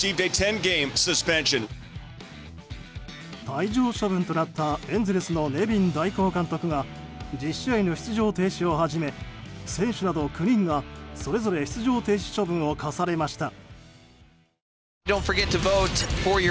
退場処分となったエンゼルスのネビン代行監督が１０試合の出場停止をはじめ選手など９人がそれぞれ出場停止処分を課されました。